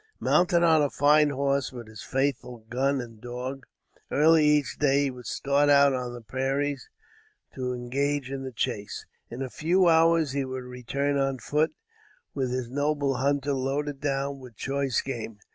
Mounted on a fine horse, with his faithful gun and dog, early each day, he would start out on the prairies to engage in the chase. In a few hours he would return on foot, with his noble hunter loaded down with choice game.